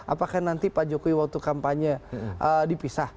apakah nanti pak jokowi waktu kampanye dipisah